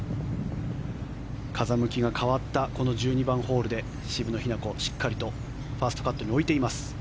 風向きが変わったこの１２番ホールで渋野日向子、しっかりとファーストカットに置いています。